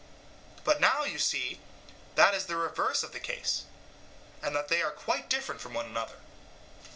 But now you see that the reverse is the case, and that they are quite different from one another.